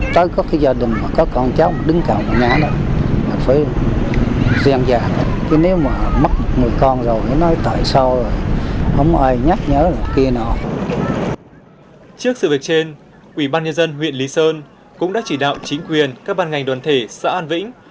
trước sự việc trên ủy ban nhân dân huyện lý sơn cũng đã chỉ đạo chính quyền các ban ngành đoàn thể xã an vĩnh